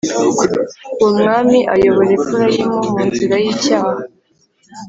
Uwo mwami ayobora Efurayimu mu nzira y’icyaha.